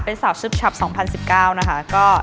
เป็นสาวซึบชับ๒๐๑๙นะคะ